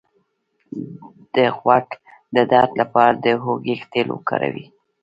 د غوږ د درد لپاره د هوږې تېل وکاروئ